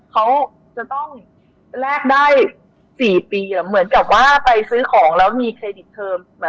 เขาจะต้องแลกได้๔ปีเหมือนกับว่าไปซื้อของแล้วมีเครดิตเทอม